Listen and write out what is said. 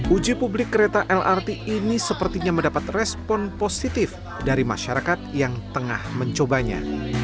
uji publik kereta lrt ini sepertinya mendapat respon positif dari masyarakat yang tengah mencobanya